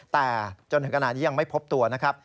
แต่จนถึงขณะนี้ยังไม่พบตัวนะครับ